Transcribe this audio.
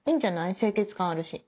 清潔感あるし。